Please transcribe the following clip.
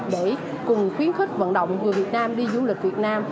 để cùng khuyến khích vận động người việt nam đi du lịch việt nam